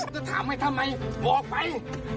จะถามให้ทำไมบอกไป